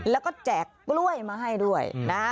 แล้วก็แจกกล้วยมาให้ด้วยนะ